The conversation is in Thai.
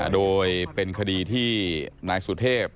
โดยเป็นคดีที่นายสุเทพ